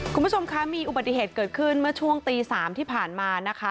คุณผู้ชมคะมีอุบัติเหตุเกิดขึ้นเมื่อช่วงตี๓ที่ผ่านมานะคะ